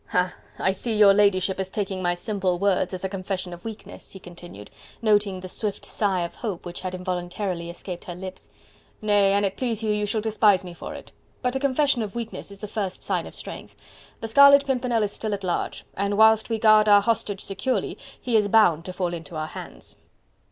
"Ah! I see your ladyship is taking my simple words as a confession of weakness," he continued, noting the swift sigh of hope which had involuntarily escaped her lips. "Nay! and it please you, you shall despise me for it. But a confession of weakness is the first sign of strength. The Scarlet Pimpernel is still at large, and whilst we guard our hostage securely, he is bound to fall into our hands."